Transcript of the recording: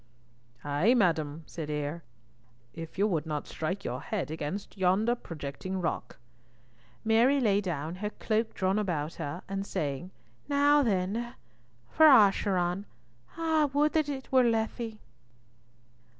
"Ay, madam," said Eyre, "if you would not strike your head against yonder projecting rock." Mary lay down, her cloak drawn about her, and saying, "Now then, for Acheron. Ah! would that it were Lethe!"